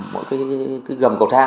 mỗi cái gầm cầu thang